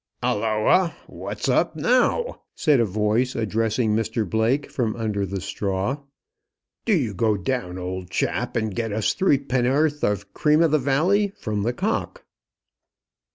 "'Alloa! what's up now?" said a voice, addressing Mr Blake from under the straw. "Do you go down, old chap, and get us three penn'orth of cream o' the valley from the Cock."